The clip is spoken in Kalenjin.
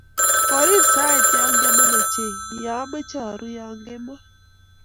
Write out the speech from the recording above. Korir sait koiaman ochei ya amache aruu yokemoi